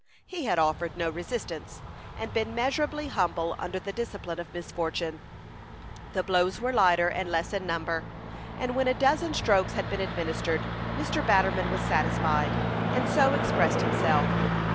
He had offered no resistance, and been measurably humble under the discipline of misfortune. The blows were lighter and less in number, and when a dozen strokes had been administered, Mr. Batterman was satisfied, and so expressed himself.